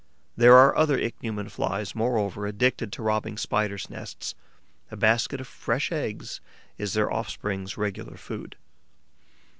There are other Ichneumon flies, moreover, addicted to robbing Spiders' nests; a basket of fresh eggs is their offspring's regular food.